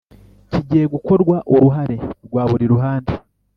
kigiye gukorwa uruhare rwa buri ruhande